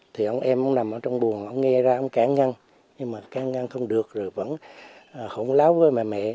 thì ông em nằm trong buồn ông nghe ra ông cãng ngăn nhưng mà cãng ngăn không được rồi vẫn khổng láo với bà mẹ